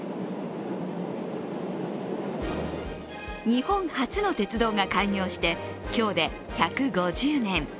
日本初の鉄道が開業して今日で１５０年。